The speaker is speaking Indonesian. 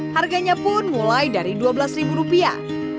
harganya pun mulai dari dua belas ribu rupiah